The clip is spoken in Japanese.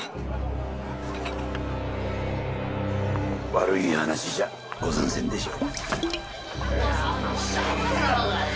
悪い話じゃござんせんでしょ。